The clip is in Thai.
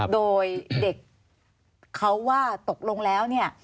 โดยเด็กเขาว่าตกลงแล้วเนี่ย